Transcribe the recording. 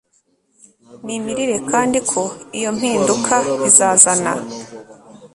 nimirire kandi ko iyo mpinduka izazana